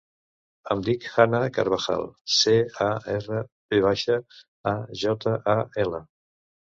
Em dic Hannah Carvajal: ce, a, erra, ve baixa, a, jota, a, ela.